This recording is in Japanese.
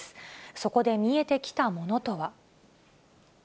そこで見えてきたものとは。